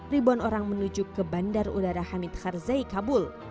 ribuan orang menuju ke bandar udara hamid harzai kabul